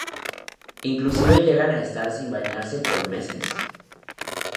Inclusive llegan a estar sin bañarse por meses.